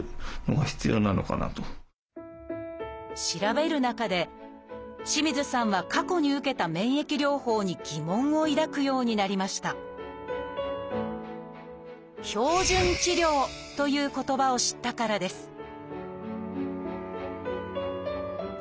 調べる中で清水さんは過去に受けた免疫療法に疑問を抱くようになりました「標準治療」という言葉を知ったからです